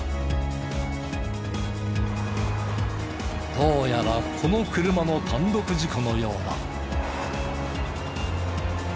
どうやらこの車の単独事故のようだ。